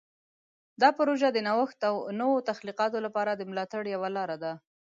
دا پروژه د نوښت او نوو تخلیقاتو لپاره د ملاتړ یوه لاره ده.